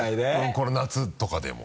この夏とかでも。